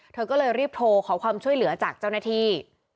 เธอก็เลยรีบโทรขอความช่วยเหลือจากเจ้าหน้าที่